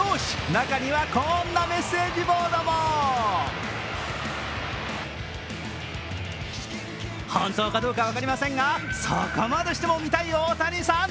中には、こんなメッセージボードも本当かどうか分かりませんがそこまでしても見たい大谷さん。